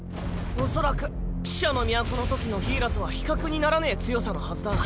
おそらく死者の都のときのギーラとは比較にならねぇ強さのはずだ。